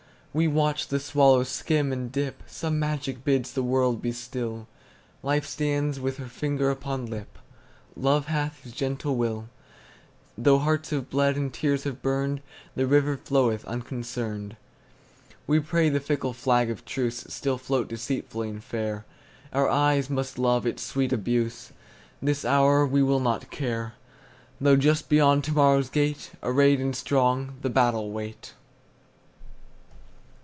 We watch the swallow skim and dip; Some magic bids the world be still; Life stands with finger upon lip; Love hath his gentle will; Though hearts have bled, and tears have burned, The river floweth unconcerned. We pray the fickle flag of truceStill float deceitfully and fair; Our eyes must love its sweet abuse; This hour we will not care, Though just beyond to morrow's gate, Arrayed and strong, the battle wait.